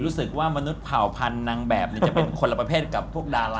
มนุษย์เผ่าพันธุ์นางแบบจะเป็นคนละประเภทกับพวกดารา